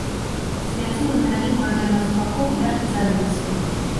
Свяціла на вялікую адлегласць вакол яркай зарніцаю.